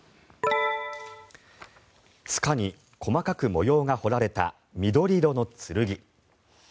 つかに細かく模様が彫り込まれた緑色の剣。